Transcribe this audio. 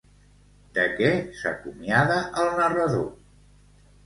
De què s'acomiada el narrador?